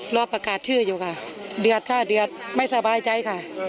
รอประกาศชื่ออยู่ค่ะเดือดค่ะเดือดไม่สบายใจค่ะ